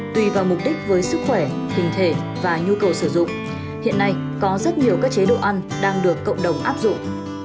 tùy vào mục đích với sức khỏe hình thể và nhu cầu sử dụng hiện nay có rất nhiều các chế độ ăn đang được cộng đồng áp dụng